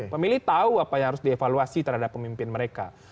pemilih tahu apa yang harus dievaluasi terhadap pemimpin mereka